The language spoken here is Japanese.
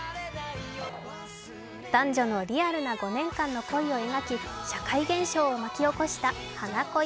男女のリアルな５年間の恋を描き社会現象を起こした「はな恋」。